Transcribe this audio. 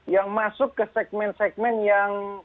yang masuk ke segmen segmen yang